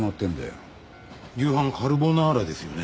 夕飯カルボナーラですよね。